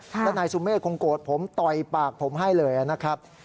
และนายสุเมฆคงโกรธผมต่อยปากผมให้เลยนะครับ